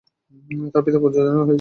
তার পিতা-মাতা দুজনেই আইরিশ।